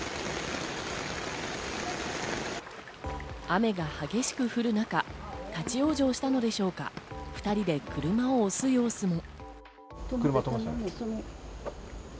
雨が激しく降る中、立ち往生したのでしょうか、２人で車を押す様子も。